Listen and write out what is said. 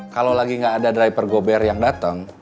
kalau lagi gak ada driver gober yang dateng